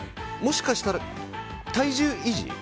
もしかしたら、体重維持？